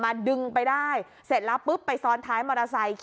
ดึงไปได้เสร็จแล้วปุ๊บไปซ้อนท้ายมอเตอร์ไซค์